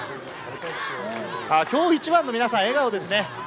今日一番の、皆さん笑顔ですね。